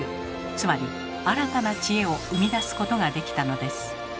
つまり新たな知恵を生み出すことができたのです。